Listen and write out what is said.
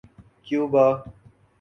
Cuba